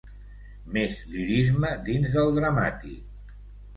Més lirisme dins del dramàtic.